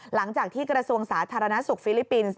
หลังจากที่กระทรวงสาธารณสุขฟิลิปปินส์